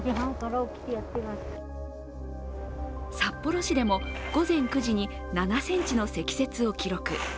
札幌市でも午前９時に７ｃｍの積雪を記録。